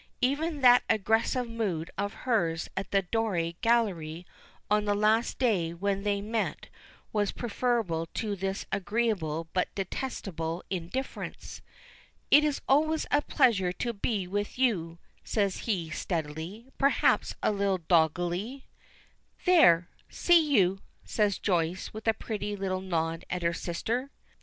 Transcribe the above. Even that aggressive mood of hers at the Doré gallery on that last day when they met was preferable to this agreeable but detestable indifference. "It is always a pleasure to be with you," says he steadily, perhaps a little doggedly. "There! you see!" says Joyce, with a pretty little nod at her sister.